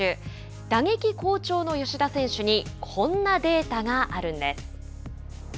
打撃好調の吉田選手にこんなデータがあるんです。